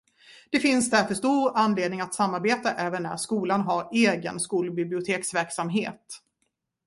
Det finns därför stor anledning att samarbeta även när skolan har egen skolbiblioteksverksamhet.